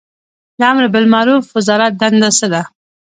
د امربالمعروف وزارت دنده څه ده؟